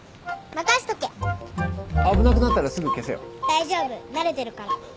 大丈夫慣れてるから。